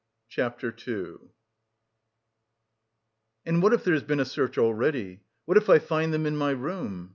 CHAPTER II "And what if there has been a search already? What if I find them in my room?"